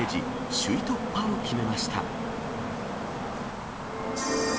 首位突破を決めました。